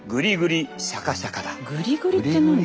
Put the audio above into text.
グリグリって何だ？